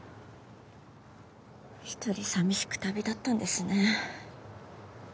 一人寂しく旅立ったんですね。